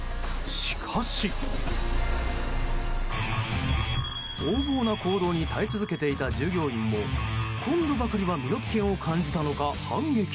しかし、横暴な行動に耐え続けていた従業員も今度ばかりは身の危険を感じたのか、反撃。